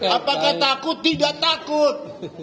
apakah takut tidak takut